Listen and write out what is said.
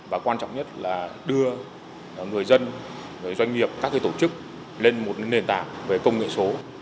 và quan trọng nhất là đưa người dân người doanh nghiệp các tổ chức lên một nền tảng về công nghệ số